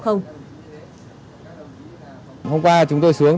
hôm qua chúng tôi xuống